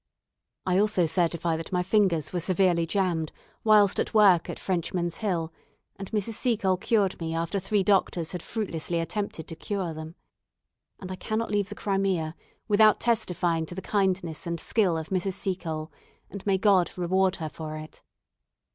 "I also certify that my fingers were severely jammed whilst at work at Frenchman's Hill, and Mrs. Seacole cured me after three doctors had fruitlessly attempted to cure them. "And I cannot leave the Crimea without testifying to the kindness and skill of Mrs. Seacole, and may God reward her for it.